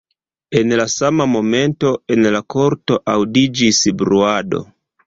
En la sama momento en la korto aŭdiĝis bruado.